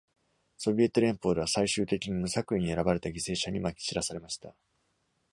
ソビエト連邦では、最終的に無作為に選ばれた犠牲者にまき散らされました。